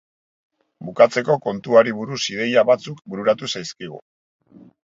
Bukatzeko, kontuari buruz ideia batzuk bururatu zaizkigu.